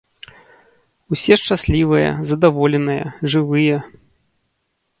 Усе шчаслівыя, задаволеныя, жывыя.